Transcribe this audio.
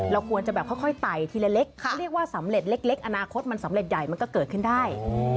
ควรจะแบบค่อยไต่ทีละเล็กเขาเรียกว่าสำเร็จเล็กอนาคตมันสำเร็จใหญ่มันก็เกิดขึ้นได้